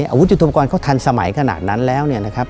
อาวุธจุดธรรมกรเขาทันสมัยขนาดนั้นแล้ว